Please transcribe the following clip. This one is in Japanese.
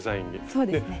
そうですね。